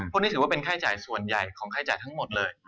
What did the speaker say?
พวกนี้ถือว่าเป็นค่าจ่ายส่วนใหญ่ของค่าจ่ายทั้งหมดเลย